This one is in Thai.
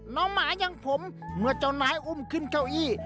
หมายังผมเมื่อเจ้านายอุ้มขึ้นเก้าอี้